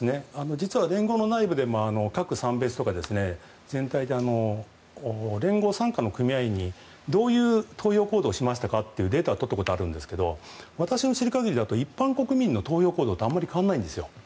実は連合の内部でも各産別とか全体で連合傘下の組合員にどういう投票行動をしましたかというデータを取ったことがあるんですけど私の知る限りでは一般国民の投票行動とあまり変わらないんです。